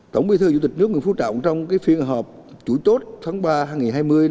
tổng bí thư chủ tịch nước nguyễn phú trọng trong phiên họp chủ chốt tháng ba hai nghìn hai mươi